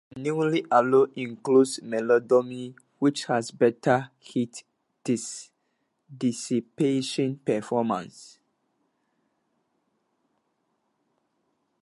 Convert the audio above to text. The new alloy includes molybdenum which has better heat dissipation performance.